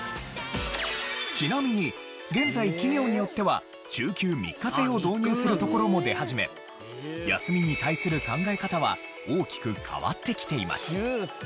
ちなみに現在企業によっては週休３日制を導入するところも出始め休みに対する考え方は大きく変わってきています。